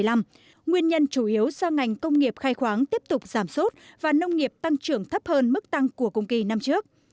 nguyên nhân chủ yếu do ngành công nghiệp khai khoáng tiếp tục giảm sút và nông nghiệp tăng trưởng thấp hơn mức tăng của cùng kỳ năm trước